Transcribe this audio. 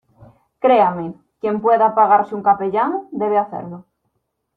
créame, quien pueda pagarse un capellán , debe hacerlo